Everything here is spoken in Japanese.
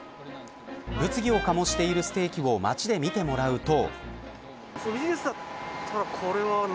物議を醸しているステーキを街で見てもらうと。